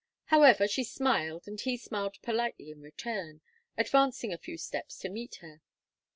However, she smiled, and he smiled politely in return, advancing a few steps to meet her.